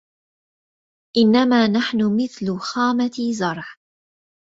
إنما نحن مثل خامة زرع